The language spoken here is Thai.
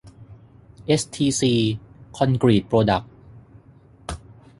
เอสทีซี คอนกรีตโปรดัคท์